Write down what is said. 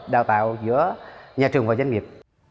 đào tạo giữa nhà trường và doanh nghiệp